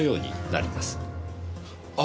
あ！